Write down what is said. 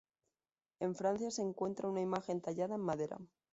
En Francia se encuentra una imagen tallada en madera.